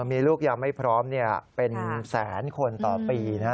มีลูกยังไม่พร้อมเป็นแสนคนต่อปีนะฮะ